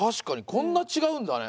こんな違うんだね